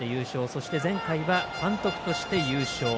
そして、前回は監督として優勝。